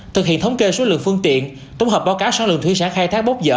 thực hiện thống kê số lượng phương tiện tổng hợp báo cáo sản lượng thủy sản khai thác bốc dở